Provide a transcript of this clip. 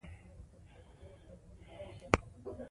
د مور په مرسته کورنی ژوند ښه کیږي.